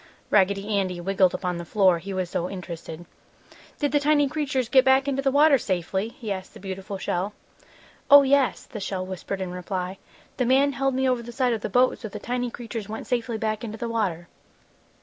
Raggedy Andy wiggled upon the floor, he was so interested. "Did the tiny creatures get back into the water safely?" he asked the beautiful shell. "Oh, yes!" the shell whispered in reply. "The man held me over the side of the boat, so the tiny creatures went safely back into the water!"